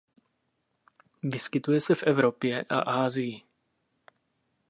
Vyskytuje se v Evropě a Asii.